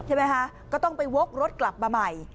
ใช่ไหมคะก็ต้องไปวกรถกลับมาใหม่